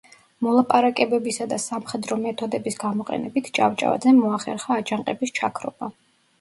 მოლაპარაკებებისა და სამხედრო მეთოდების გამოყენებით ჭავჭავაძემ მოახერხა აჯანყების ჩაქრობა.